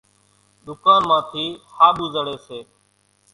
ۮُڪانَ مان ٿِي ۿاٻُو سڙيَ سي۔